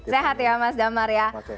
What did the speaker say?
sehat ya mas damar ya